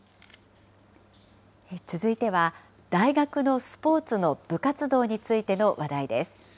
続いては、大学のスポーツの部活動についての話題です。